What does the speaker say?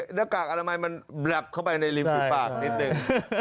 หน้ากากอนามัยมันแบลับเข้าไปในริมฝูปากนิดนึง